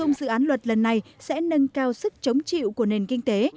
sử dụng bổ sung dự án luật lần này sẽ nâng cao sức chống chịu của nền kinh tế